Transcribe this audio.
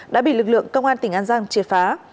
đã bị lực lượng công an tỉnh an giang triệt phá